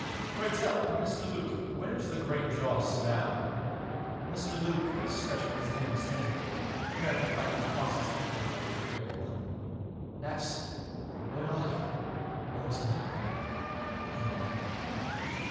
Pray tell us, Mr. Luke, where's the Great Joss now ?" Mr. Luke was stretching his limbs, gingerly, appa rently finding the process anything but an agreeable one. " That's — what I — want to know," he mumbled.